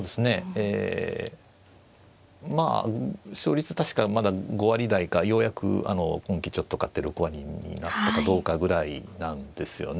ええまあ勝率確かまだ５割台かようやく今期ちょっと勝って６割になったかどうかぐらいなんですよね。